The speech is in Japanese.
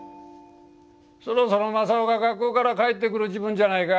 そろそろ正雄が学校から帰ってくる時分じゃないか？